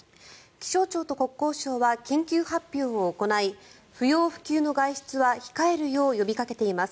気象庁と国交省は緊急発表を行い不要不急の外出は控えるよう呼びかけています。